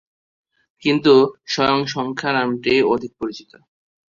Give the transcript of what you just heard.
কিন্তু, স্বয়ং সংখ্যা নামটিই অধিক পরিচিত।